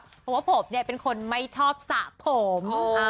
เพราะว่าผมเป็นคนไม่ชอบสระผม